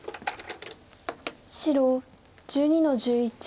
白１２の十一ツケ。